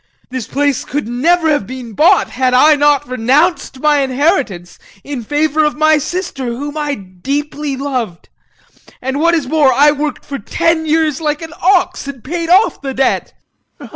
This place could never have been bought had I not renounced my inheritance in favour of my sister, whom I deeply loved and what is more, I worked for ten years like an ox, and paid off the debt.